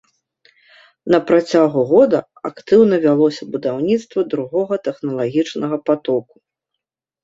На працягу года актыўна вялося будаўніцтва другога тэхналагічнага патоку.